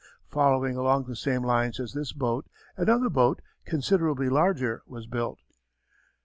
Following along the same lines as this boat another boat, considerably larger, was built.